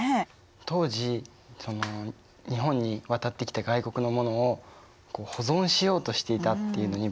当時日本に渡ってきた外国のものを保存しようとしていたっていうのに僕は驚いたな。